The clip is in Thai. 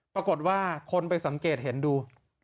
ปรากฏว่าคนไปสังเกตเห็นดู